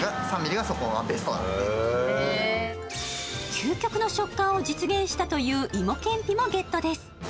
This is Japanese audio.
究極の食感を実現したという芋けんぴもゲットです。